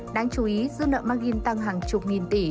đáng chú ý dư nợ margin tăng hàng chục nghìn tỷ